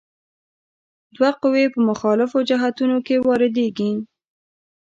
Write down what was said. دوه قوې په مخالفو جهتونو کې واردیږي.